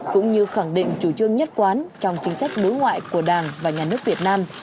cũng như khẳng định chủ trương nhất quán trong chính sách đối ngoại của đảng và nhà nước việt nam